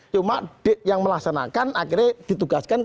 cuma yang melaksanakan akhirnya ditugaskan